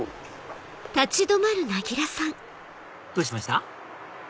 どうしました？